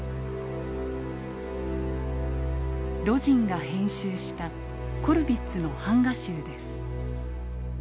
魯迅が編集したコルヴィッツの版画集です。